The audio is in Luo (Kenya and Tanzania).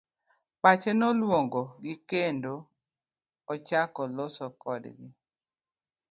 Pache noluong'o gi kendo ochako loso kodgi.